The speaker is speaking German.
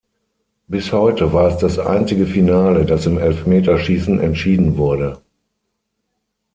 Bis heute war es das einzige Finale, das im Elfmeterschießen entschieden wurde.